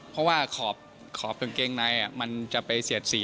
เพราะว่าขอบกางเกงในมันจะไปเสียดสี